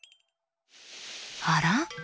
あら？